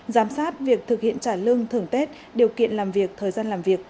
giám sát việc thực hiện trả lương thường tết điều kiện làm việc thời gian làm việc